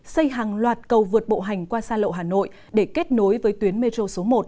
xây hàng loạt cầu vượt bộ hành qua sa lộ hà nội để kết nối với tuyến metro số một